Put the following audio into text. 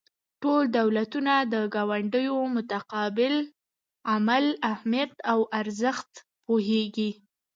ټول دولتونه د ګاونډیو متقابل عمل اهمیت او ارزښت پوهیږي